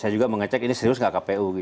saya juga mengecek ini serius nggak kpu